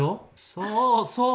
そうそう。